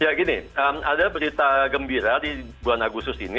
ya gini ada berita gembira di bulan agustus ini